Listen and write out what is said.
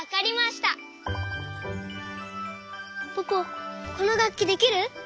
ポポこのがっきできる？